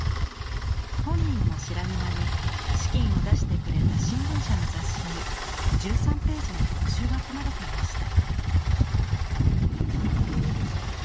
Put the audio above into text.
本人も知らぬ間に資金を出してくれた新聞社の雑誌に１３ページの特集が組まれていました。